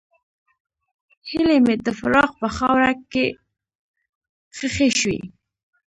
هیلې مې د فراق په خاوره کې ښخې شوې.